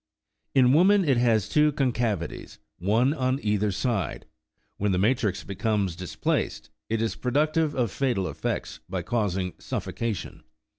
In woman it has two concavities, one on either side : when the matrix becomes displaced, it is productive of fatal effects, by causing suffocation.